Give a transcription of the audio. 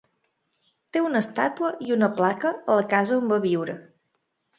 Té una estàtua i una placa a la casa on va viure.